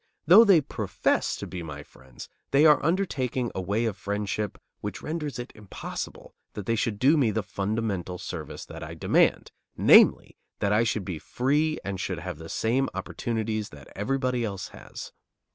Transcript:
Though they profess to be my friends, they are undertaking a way of friendship which renders it impossible that they should do me the fundamental service that I demand namely, that I should be free and should have the same opportunities that everybody else has.